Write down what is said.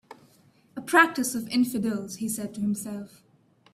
"A practice of infidels," he said to himself.